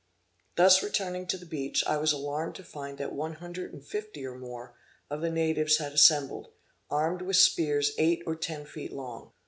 Thus returning to the beach, I was alarmed to find that 150, or more, of the natives had assembled, armed with spears eight or ten feet long.